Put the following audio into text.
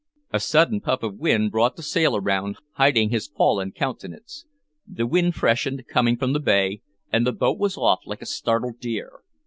A sudden puff of wind brought the sail around, hiding his fallen countenance. The wind freshened, coming from the bay, and the boat was off like a startled deer.